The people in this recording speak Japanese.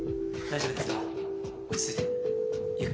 大丈夫です。